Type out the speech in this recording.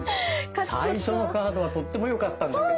最初のカードはとってもよかったんだけどね。